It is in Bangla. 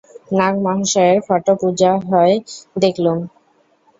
নাগ-মহাশয়ের ফটো পূজা হয় দেখলুম।